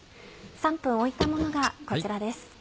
３分置いたものがこちらです。